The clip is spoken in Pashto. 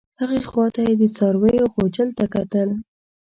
هغې خوا ته یې د څارویو غوجل ته کتل.